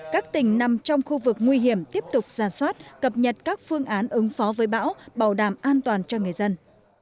các tỉnh nằm trong khu vực nguy hiểm tiếp tục giàn soát cập nhật các phương án ứng phó với bão bảo đảm an toàn cho người dân